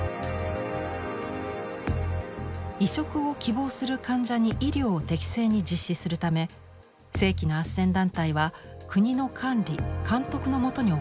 移植を希望する患者に医療を適正に実施するため正規のあっせん団体は国の管理・監督の下に置かれています。